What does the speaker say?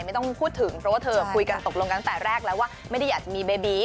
ไม่ต้องพูดถึงเพราะว่าเธอคุยกันตกลงกันตั้งแต่แรกแล้วว่าไม่ได้อยากจะมีเบบี